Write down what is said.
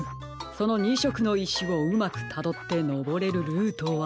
その２しょくのいしをうまくたどってのぼれるルートは。